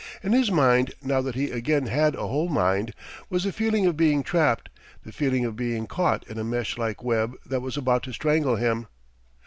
In his mind, now that he again had a whole mind, was the feeling of being trapped, the feeling of being caught in a mesh like web that was about to strangle him.